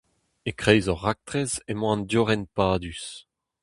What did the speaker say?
E-kreiz hor raktres emañ an diorren padus.